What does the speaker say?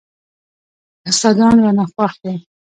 استادان رانه خوښ وو.